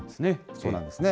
そうなんですね。